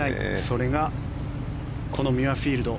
それがこのミュアフィールド。